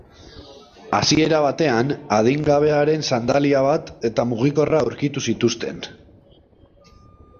Hasiera batean, adingabearen sandalia bat eta mugikorra aurkitu zituzten.